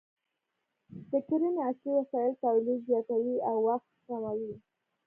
د کرنې عصري وسایل تولید زیاتوي او وخت سپموي.